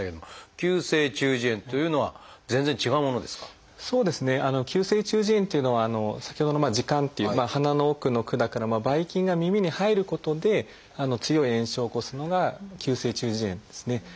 急性中耳炎というのは先ほどの「耳管」という鼻の奥の管からばい菌が耳に入ることで強い炎症を起こすのが急性中耳炎ですね。